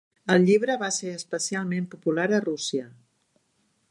El llibre va ser especialment popular a Rússia.